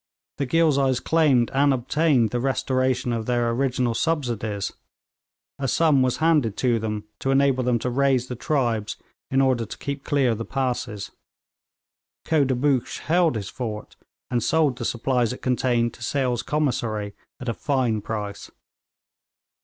The Ghilzais claimed and obtained the restoration of their original subsidies; a sum was handed to them to enable them to raise the tribes in order to keep clear the passes; Khoda Buxsh held his fort, and sold the supplies it contained to Sale's commissary at a fine price.